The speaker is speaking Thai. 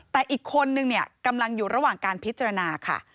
แต่อีกคนนึงเนี่ยกำลังอยู่ระหว่างการพิจารณาค่ะ